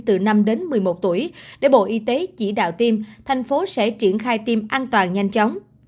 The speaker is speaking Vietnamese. từ năm đến một mươi một tuổi để bộ y tế chỉ đạo tiêm thành phố sẽ triển khai tiêm an toàn nhanh chóng